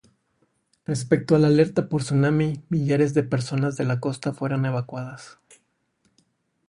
Respecto a la alerta por tsunami, millares de personas de la costa fueron evacuadas.